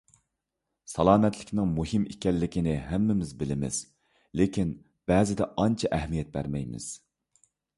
سالامەتلىكنىڭ مۇھىم ئىكەنلىكىنى ھەممىمىز بىلىمىز، لېكىن بەزىدە ئانچە ئەھمىيەت بەرمەيمىز.